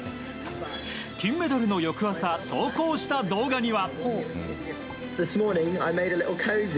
金メダルの翌朝投稿した動画には。